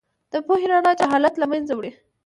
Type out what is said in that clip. د پوهې رڼا جهالت له منځه وړي.